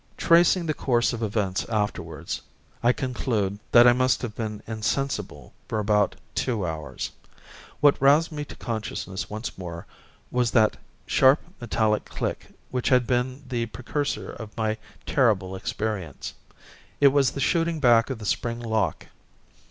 Tracing the course of events afterwards, I conclude that I must have been insensible for about two hours. What roused me to consciousness once more was that sharp metallic click which had been the precursor of my terrible experience. It was the shooting back of the spring lock.